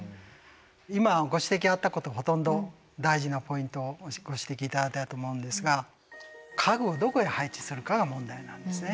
今ご指摘あったことほとんど大事なポイントをご指摘頂いたと思うんですが家具をどこへ配置するかが問題なんですね。